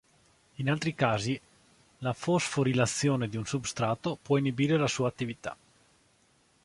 In altri casi, la fosforilazione di un substrato può inibire la sua attività.